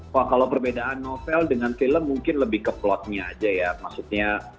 wah kalau perbedaan novel dengan film mungkin lebih ke plotnya aja ya maksudnya